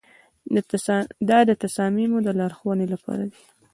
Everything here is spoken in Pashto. دا د تصامیمو د لارښوونې لپاره دی.